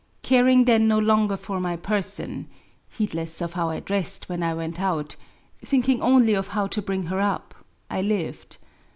Caring then no longer for my person [,— heedless of how I dressed when I went out'\ ,— thinking only of how to bring her up^ —/ Uved.